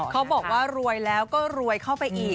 เขาบอกว่ารวยแล้วก็รวยเข้าไปอีก